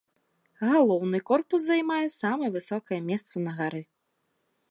Галоўны корпус займае самае высокае месца на гары.